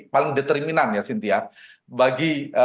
paling determinan ya sintia bagi